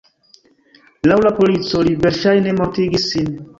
Laŭ la polico, li verŝajne mortigis sin.